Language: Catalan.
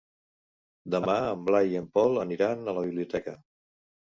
Demà en Blai i en Pol aniran a la biblioteca.